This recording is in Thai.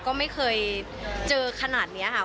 ก็ไม่เคยเจอขนาดนี้ค่ะ